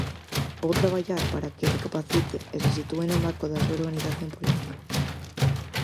Vou traballar para que recapacite e se sitúe no marco da súa organización política.